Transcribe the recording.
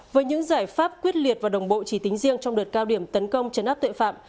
với những giải pháp quyết liệt và đồng bộ chỉ tính riêng trong đợt cao điểm tấn công chấn áp tội phạm